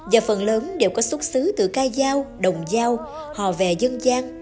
và phần lớn đều có xuất xứ từ ca giao đồng giao hò vè dân gian